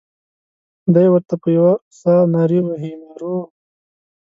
دای ورته په یوه ساه نارې وهي مارو.